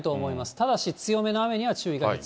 ただし強めの雨には注意が必要です。